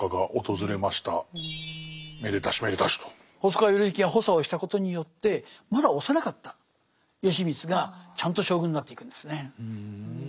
細川頼之が補佐をしたことによってまだ幼かった義満がちゃんと将軍になっていくんですね。